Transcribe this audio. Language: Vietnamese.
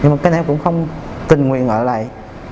nhưng mà các anh em cũng không tình nguyện ở lại